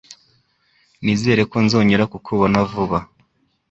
Nizere ko nzongera kukubona vuba.